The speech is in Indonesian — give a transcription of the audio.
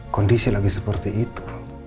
kondisi lagi seperti itu